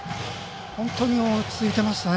本当に落ち着いていましたね